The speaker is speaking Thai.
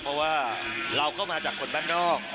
เพราะว่าเราก็มาจากคนบ้านนอก